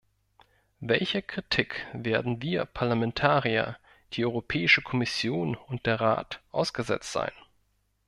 Welcher Kritik werden wir Parlamentarier, die Europäische Kommission und der Rat ausgesetzt sein?